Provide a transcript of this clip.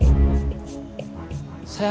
biar dia berpikir